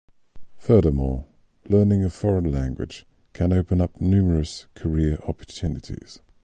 Furthermore, learning a foreign language can open up numerous career opportunities.